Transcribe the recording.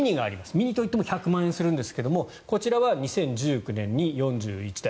ミニといっても１００万円するんですがこちらは２０１９年に４１台。